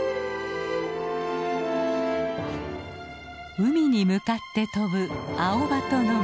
海に向かって飛ぶアオバトの群れ。